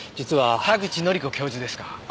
田口紀子教授ですか？